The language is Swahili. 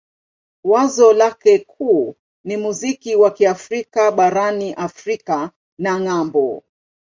Wazo lake kuu ni muziki wa Kiafrika barani Afrika na ng'ambo.